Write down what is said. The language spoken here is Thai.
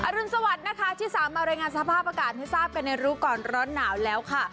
รุนสวัสดิ์นะคะที่สามมารายงานสภาพอากาศให้ทราบกันในรู้ก่อนร้อนหนาวแล้วค่ะ